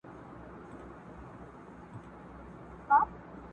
o د توري ټپ ښه کېږي، د بدي خبري ټپ نه ښه کېږي٫